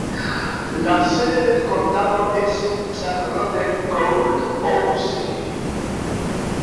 La sede del condado es Charlotte Court House.